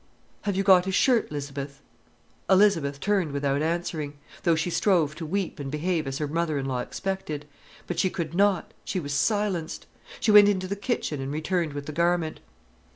"Have you got his shirt, 'Lizabeth?" Elizabeth turned without answering, though she strove to weep and behave as her mother in law expected. But she could not, she was silenced. She went into the kitchen and returned with the garment.